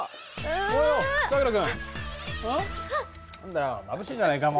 何だよまぶしいじゃないかもう。